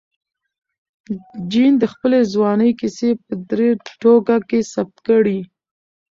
جین د خپلې ځوانۍ کیسې په درې ټوکه کې ثبت کړې.